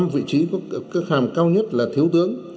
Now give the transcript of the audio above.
năm vị trí có cấp hàm cao nhất là thiếu tướng